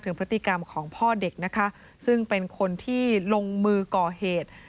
พฤติกรรมของพ่อเด็กนะคะซึ่งเป็นคนที่ลงมือก่อเหตุ